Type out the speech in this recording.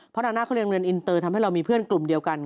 เพราะนาน่าเขาเรียนเรียนอินเตอร์ทำให้เรามีเพื่อนกลุ่มเดียวกัน